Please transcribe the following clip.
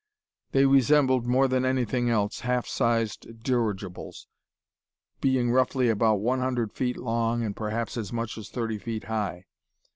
They resembled, more than anything else, half sized dirigibles, being roughly about one hundred feet long and perhaps as much as thirty feet high.